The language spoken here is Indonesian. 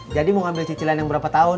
mau ambil cicilan yang berapa tahun